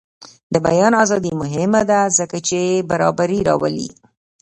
د بیان ازادي مهمه ده ځکه چې برابري راولي.